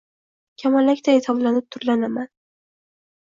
kamalakday tovlanib-turlanaman.